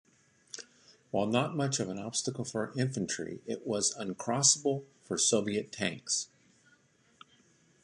While not much of an obstacle for infantry, it was uncrossable for Soviet tanks.